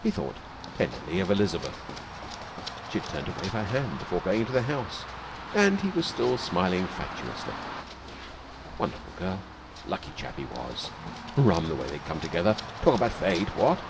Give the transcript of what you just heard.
He thought tenderly of Elizabeth. She had turned to wave her hand before going into the house, and he was still smiling fatuously. Wonderful girl! Lucky chap he was! Rum, the way they had come together! Talk about Fate, what?